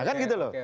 kan gitu loh